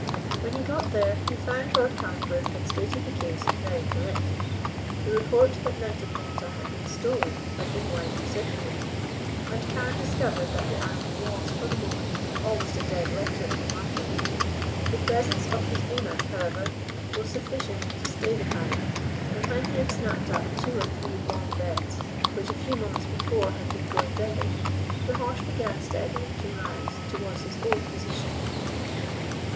When he got there, he found Lord Calingforth had stated the case very correctly. The report that Knight of Malta had been stolen had been widely circulated, and Carne discovered that the animal was, for the moment, almost a dead letter in the market. The presence of his owner, however, was sufficient to stay the panic, and when he had snapped up two or three long bets, which a few moments before had been going begging, the horse began steadily to rise towards his old position.